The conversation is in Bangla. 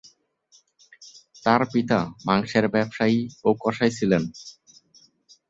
তার পিতা মাংসের ব্যবসায়ী ও কসাই ছিলেন।